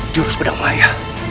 jurus bedang maya